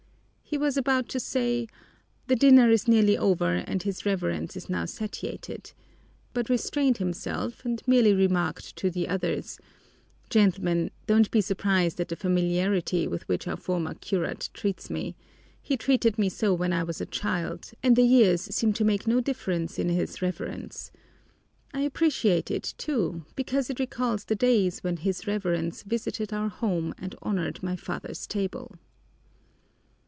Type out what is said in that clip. He was about to say, "The dinner is nearly over and his Reverence is now satiated," but restrained himself and merely remarked to the others, "Gentlemen, don't be surprised at the familiarity with which our former curate treats me. He treated me so when I was a child, and the years seem to make no difference in his Reverence. I appreciate it, too, because it recalls the days when his Reverence visited our home and honored my father's table."